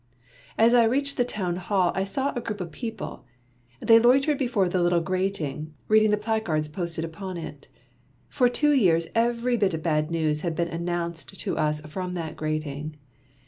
As I reached the town hall, I saw a group of people ; they loitered before the little grating, reading the placards posted upon it. For two years every bit of bad news had been announced to us from that grating.